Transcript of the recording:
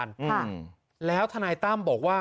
ส่วนบุคคลที่จะถูกดำเนินคดีมีกี่คนและจะมีพี่เต้ด้วยหรือเปล่า